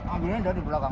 ambilnya dari belakang